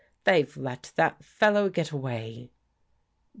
They've let that fellow get away."